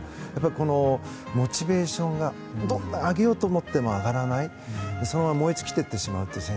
このモチベーションをどんどん上げようと思っても上がらないでそのまま燃え尽きてしまう。